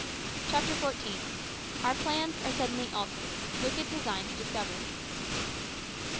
CHAPTER FOURTEEN. OUR PLANS ARE SUDDENLY ALTERED WICKED DESIGNS DISCOVERED.